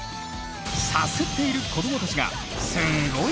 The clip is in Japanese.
サスっている子どもたちがすんごい